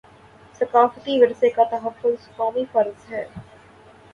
ثقافتی ورثے کا تحفظ قومی فرض ہے